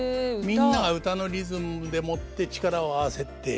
みんなが唄のリズムでもって力を合わせていく。